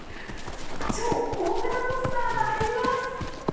超大型ポスターがあります！